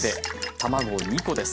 卵２コです。